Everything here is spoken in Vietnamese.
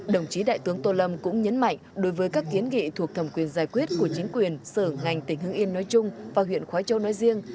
đồng chí đại tướng tô lâm cũng nhấn mạnh đối với các kiến nghị thuộc thẩm quyền giải quyết của chính quyền sở ngành tỉnh hưng yên nói chung và huyện khói châu nói riêng